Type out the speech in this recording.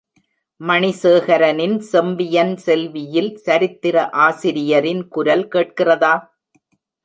மணிசேகரனின் செம்பியன் செல்வி யில் சரித்திர ஆசிரியரின் குரல் கேட்கிறதா?